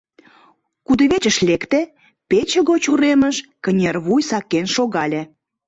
Кудывечыш лекте, пече гоч уремыш кынервуй сакен шогале.